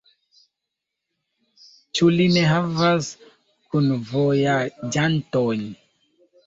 Ĉu li ne havas kunvojaĝanton?